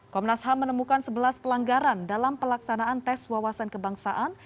komnas ham menemukan sebelas pelanggaran dalam pelaksanaan tes wawasan kebangsaan